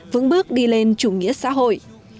vững bước đi lên chủ nghĩa xã hội